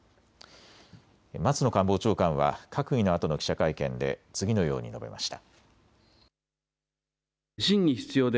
松野官房長官は閣議のあとの記者会見で次のように述べました。